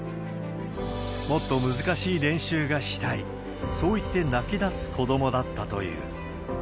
もっと難しい練習がしたい、そう言って泣き出す子どもだったという。